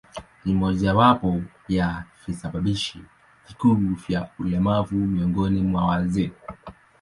Ni mojawapo ya visababishi vikuu vya ulemavu miongoni mwa wazee.